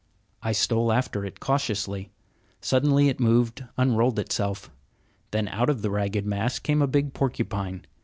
I stole after it cautiously. Suddenly it moved, unrolled itself. Then out of the ragged mass came a big porcupine.